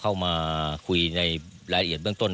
เข้ามาคุยในรายละเอียดเบื้องต้น